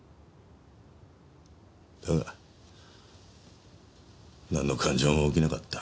だがなんの感情も起きなかった。